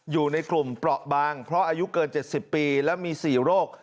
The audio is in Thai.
อยู่ในกลุ่มเปราะบางเพราะอายุเกิน๗๐ปีและมี๔โรค